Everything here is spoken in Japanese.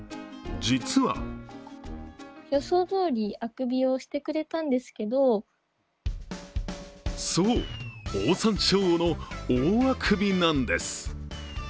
実はそう、オオサンショウウオの大あくびなんです。